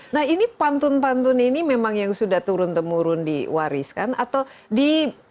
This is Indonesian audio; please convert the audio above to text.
nah ini pantun pantun ini memang yang sudah turun temurun diwariskan atau di